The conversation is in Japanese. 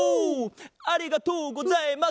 ありがとうございます！